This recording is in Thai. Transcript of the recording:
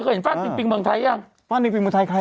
เธอเคยเห็นฟ่านปิ่งปิ่งเมืองไทยหรือยัง